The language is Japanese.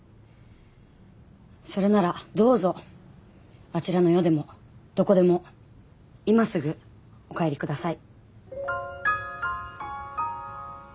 それならどうぞあちらの世でもどこでも今すぐお帰り下さい。